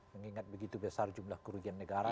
mengingat begitu besar jumlah kerugian negara